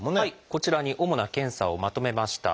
こちらに主な検査をまとめました。